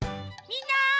みんな！